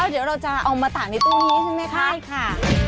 เดี๋ยวเราจะเอามาตากในตู้นี้ใช่ไหมคะใช่ค่ะ